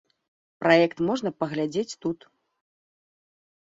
Праект можна паглядзець тут.